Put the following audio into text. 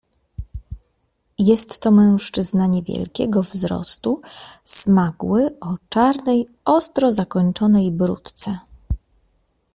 "Jest to mężczyzna niewielkiego wzrostu, smagły, o czarnej, ostro zakończonej bródce."